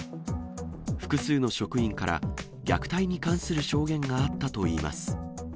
複数の職員から虐待に関する証言があったといいます。